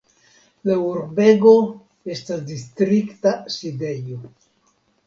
La urbego estas distrikta sidejo.